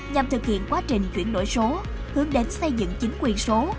nhằm thực hiện quá trình chuyển đổi số hướng đến xây dựng chính quyền số